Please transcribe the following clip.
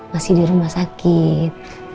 masih di rumah sakit